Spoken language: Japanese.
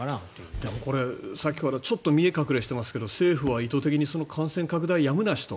でもこれ、さっきからちょっと見え隠れしていますが政府は意図的に感染拡大やむなしと。